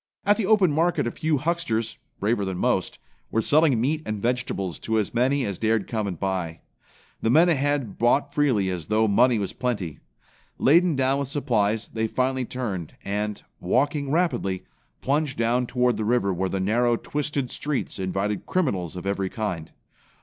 At the open market a few hucksters, braver than most, were selling meat and vegetables to as many as dared come and buy. The men ahead bought freely as though money was plenty. Laden down with supplies, they finally turned and, walking rapidly, plunged down toward the river where the narrow, twisted streets invited criminals of every kind.